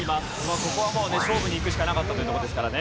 ここはもうね勝負に行くしかなかったというところですからね。